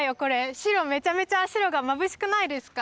白めちゃめちゃ白がまぶしくないですか。